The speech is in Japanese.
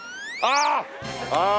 ああ。